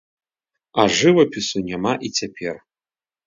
А жывапісу няма і цяпер.